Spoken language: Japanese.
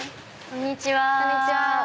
こんにちは。